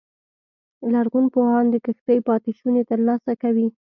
لرغونپوهان د کښتۍ پاتې شونې ترلاسه کوي